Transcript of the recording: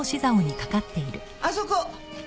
あそこ。